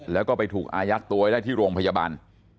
แล้วก็ไปถูกอายัดตัวไว้ได้ที่โรงพยาบาล